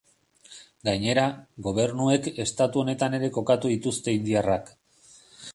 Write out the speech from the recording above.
Gainera, gobernuek estatu honetan ere kokatu dituzte indiarrak.